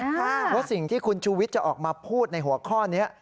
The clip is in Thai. เพราะสิ่งที่คุณชูวิทย์จะออกมาพูดในหัวข้อนี้